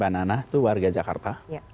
itu warga jakarta